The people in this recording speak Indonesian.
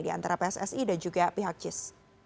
di antara pssi dan juga pihak jis